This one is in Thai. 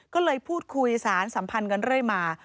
ก็เลยพูดคุยสารสัมพันธ์กันเรื่อยมา